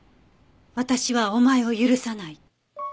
「私はおまえを許さない」